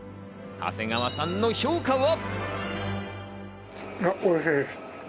長谷川さんの評価は？